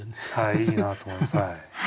いいなと思います。